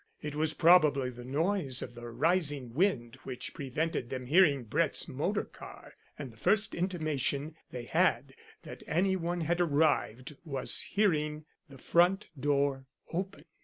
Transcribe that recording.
"It was probably the noise of the rising wind which prevented them hearing Brett's motor car, and the first intimation they had that any one had arrived was hearing the front door open.